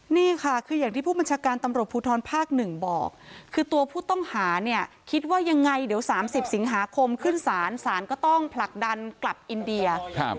นี่ค่ะคืออย่างที่ผู้บัญชาการตำรวจภูทรภาคหนึ่งบอกคือตัวผู้ต้องหาเนี่ยคิดว่ายังไงเดี๋ยว๓๐สิงหาคมขึ้นศาลศาลก็ต้องผลักดันกลับอินเดีย